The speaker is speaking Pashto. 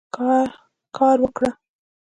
کار وکړه.